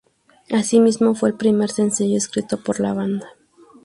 Asimismo, fue el primer sencillo escrito por la banda.